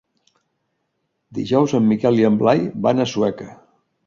Dijous en Miquel i en Blai van a Sueca.